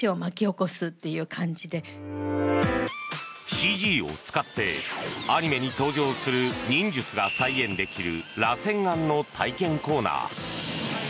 ＣＧを使ってアニメに登場する忍術が再現できる螺旋丸の体験コーナー。